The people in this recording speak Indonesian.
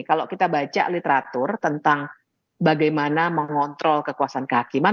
kalau kita baca literatur tentang bagaimana mengontrol kekuasaan kehakiman